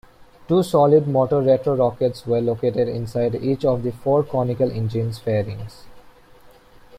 Two solid motor retrorockets were located inside each of the four conical engine fairings.